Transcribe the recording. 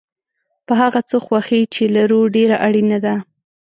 په هغه څه خوښي چې لرو ډېره اړینه ده.